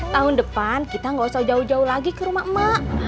tahun depan kita gak usah jauh jauh lagi ke rumah emak emak